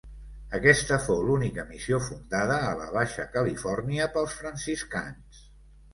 Aquesta fou l'única missió fundada a la Baixa Califòrnia pels franciscans.